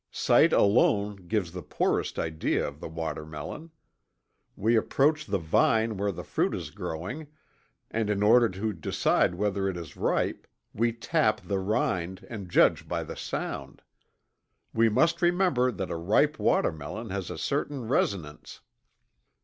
Sight alone gives the poorest idea of the watermelon. We approach the vine where the fruit is growing, and in order to decide whether it is ripe, we tap the rind and judge by the sound. We must remember that a ripe watermelon has a certain resonance.